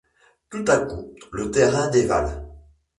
Tout à coup, le terrain dévale.